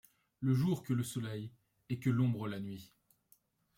Le jour que le soleil et que l’ombre la nuit.